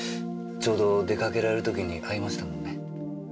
ちょうど出かけられる時に会いましたもんね。